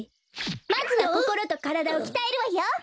まずはこころとからだをきたえるわよ！